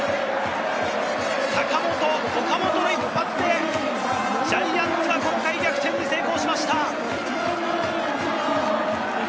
坂本、岡本の一発でジャイアンツがこの回、逆転に成功しました。